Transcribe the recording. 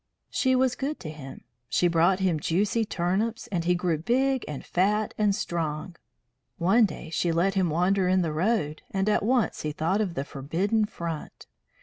She was good to him. She brought him juicy turnips, and he grew big and fat and strong. One day she let him wander in the road, and at once he thought of the forbidden front.